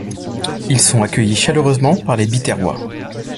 Ils sont accueillis chaleureusement par les Biterrois.